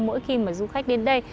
mỗi khi mà du khách đến đây